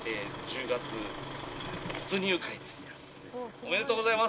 おめでとうございます！